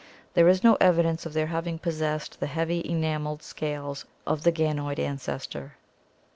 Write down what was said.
There is no evidence of their having possessed the heavy enameled scales of the ganoid ancestor.